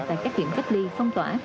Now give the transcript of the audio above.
tại các kiểm cách ly phong tỏa